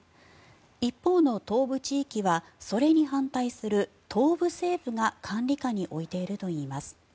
一方の東部地域はそれに反対する東部政府が管理下に置いているといいます。